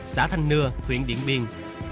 xã thanh nưa huyện điện biên